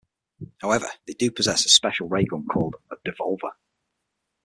However, they do possess a special raygun called a "devolver".